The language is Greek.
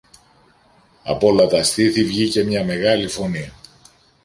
Απ' όλα τα στήθη βγήκε μια μεγάλη φωνή